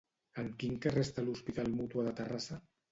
En quin carrer està l'hospital Mútua de Terrassa?